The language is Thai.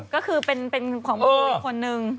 ก็คือเป็นของผู้หญิงอีกคนนึง